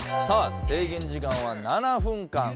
さあ制限時間は７分間。